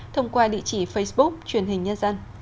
thông qua địa chỉ facebook truyền hình nhân dân